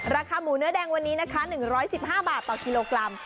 ราคาหมูเนื้อแดงวันนี้นะคะ๑๑๕บาทต่อกิโลกรัม